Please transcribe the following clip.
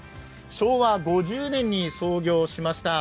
昭和５０年に創業しました。